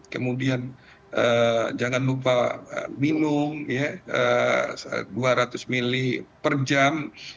kemudian jangan lupa minum dua ratus mili per jam